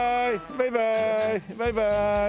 バイバーイ！